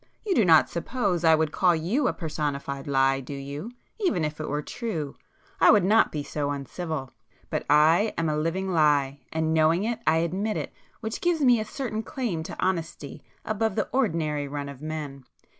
You do not suppose I would call you a personified lie, do you,—even if it were true! I would not be so uncivil. But I am a living lie, and knowing it I admit it, which gives me a certain claim to honesty above the ordinary run of men.